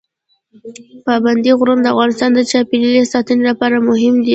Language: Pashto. پابندي غرونه د افغانستان د چاپیریال ساتنې لپاره مهم دي.